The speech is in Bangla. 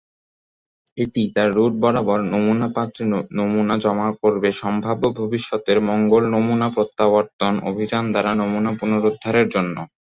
এটি তার রুট বরাবর নমুনা পাত্রে নমুনা জমা করবে সম্ভাব্য ভবিষ্যতের মঙ্গল নমুনা-প্রত্যাবর্তন অভিযান দ্বারা নমুনা পুনরুদ্ধারের জন্য।